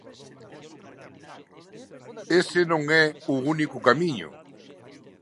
Ese non é o único camiño.